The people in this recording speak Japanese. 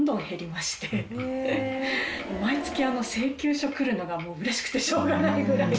毎月請求書くるのが嬉しくてしょうがないぐらい。